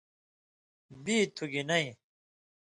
بی تُھو گی نَیں“